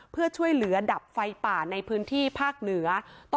เพื่อช่วยเหลือดับไฟป่าในพื้นที่ภาคเหนือ